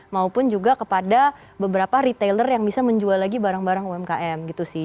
maupun juga kepada beberapa retailer yang bisa menjual lagi barang barang umkm gitu sih